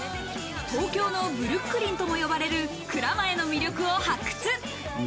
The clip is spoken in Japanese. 東京のブルックリンとも呼ばれる蔵前の魅力を発掘。